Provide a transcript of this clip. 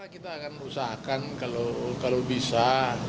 kita akan usahakan kalau bisa